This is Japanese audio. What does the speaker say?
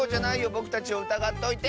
ぼくたちをうたがっといて！